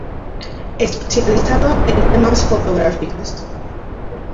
Especializado en temas fotográficos.